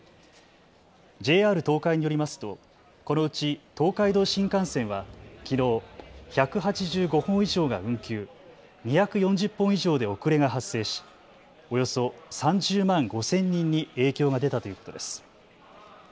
ＪＲ東海によりますとこのうち東海道新幹線はきのう１８５本以上が運休、２４０本以上で遅れが発生しおよそ３０万５０００人に影響が出たということです。